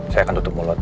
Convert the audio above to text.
saya akan tutup mulut